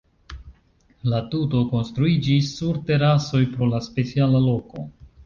La tuto konstruiĝis sur terasoj, pro la speciala loko.